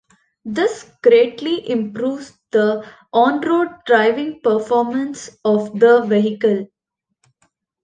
This greatly improves the on-road driving performance of the vehicle.